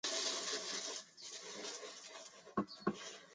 富贵浮云，艺术千秋